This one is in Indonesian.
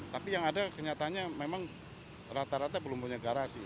tapi yang ada kenyataannya memang rata rata belum punya garasi